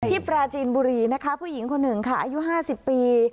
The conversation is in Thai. ปราจีนบุรีนะคะผู้หญิงคนหนึ่งค่ะอายุ๕๐ปี